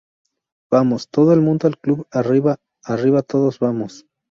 ¡ vamos! ¡ todo el mundo al club! ¡ arriba, arriba todos, vamos!